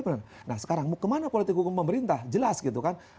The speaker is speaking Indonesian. nah sekarang kemana politik hukum pemerintah jelas gitu kan